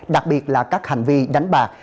đặc biệt là các hành vi đánh bạc